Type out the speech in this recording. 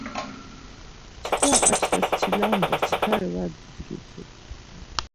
Çkva Aşes çilambre çkar var dudgitu.